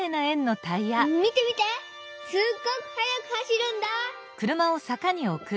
見て見てすっごくはやく走るんだ！」。